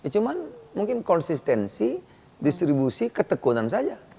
cuma mungkin konsistensi distribusi ketekunan saja